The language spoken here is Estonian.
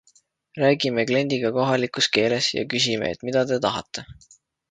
Räägime kliendiga kohalikus keeles ja küsime, et mida te tahate?